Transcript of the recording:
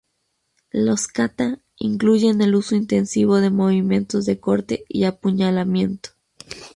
Los "kata" incluyen el uso intensivo de movimientos de corte y apuñalamiento.